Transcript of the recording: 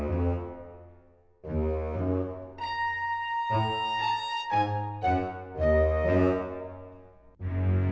bisa anjing suaranya